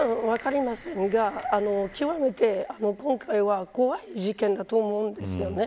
どう対応するか分かりませんが極めて今回は怖い事件だと思うんですよね。